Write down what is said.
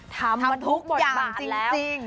ทำมาทุกอย่างจริง